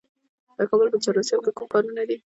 د کابل په چهار اسیاب کې کوم کانونه دي؟